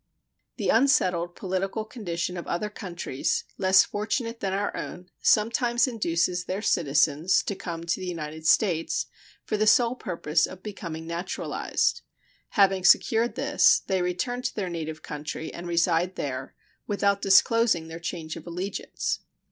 The unsettled political condition of other countries, less fortunate than our own, sometimes induces their citizens to come to the United States for the sole purpose of becoming naturalized. Having secured this, they return to their native country and reside there, without disclosing their change of allegiance.